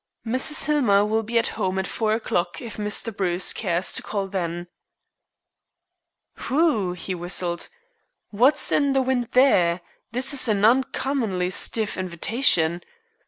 "Mrs. Hillmer will be at home at four o'clock if Mr. Bruce cares to call then." "Whew!" he whistled. "What's in the wind there? This is an uncommonly stiff invitation.